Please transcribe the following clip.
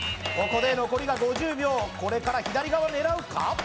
ここで残りが５０秒これから左側狙うか？